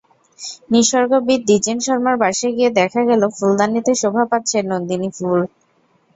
নিসর্গবিদ দ্বিজেন শর্মার বাসায় গিয়ে দেখা গেল, ফুলদানিতে শোভা পাচ্ছে নন্দিনী ফুল।